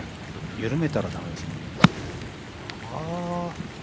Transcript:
緩めたらだめですもん。